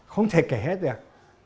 không thể kể hết được